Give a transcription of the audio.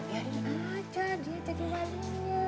biarin aja dia jadi walinya